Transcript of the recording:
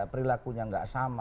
perlakunya nggak sama